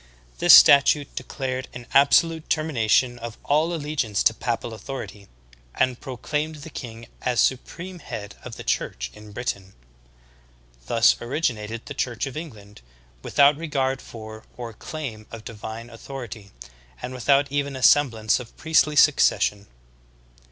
This statute declared an abso lute termination of all allegiance to papal authority, and pro claimed the king as supreme head of the Church in Britain. Thus originated the Church of England, without regard for or claim of divine authority, and without even a semblance of priestly succession.